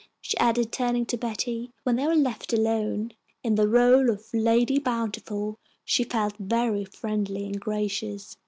she added, turning to Betty, when they were left alone. In the rôle of Lady Bountiful she felt very friendly and gracious.